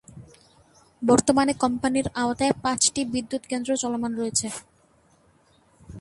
বর্তমানে কোম্পানির আওতায় পাঁচটি বিদ্যুৎ কেন্দ্র চলমান রয়েছে।